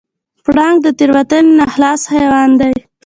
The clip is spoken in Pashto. پړانګ د تېروتنې نه خلاص حیوان دی.